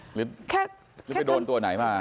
หรือไปโดนตัวไหนมา